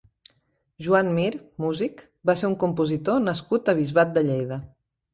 Joan Mir (músic) va ser un compositor nascut a Bisbat de Lleida.